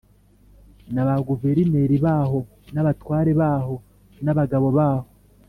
Na ba guverineri baho n abatware baho n abagabo baho